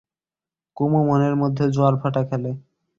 কুমু, মনের মধ্যে জোয়ার-ভাঁটা খেলে।